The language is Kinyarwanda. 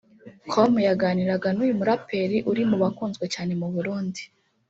com yaganiraga n’uyu muraperi uri mu bakunzwe cyane mu Burundi